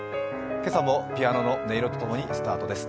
今朝もピアノの音色とともにスタートです。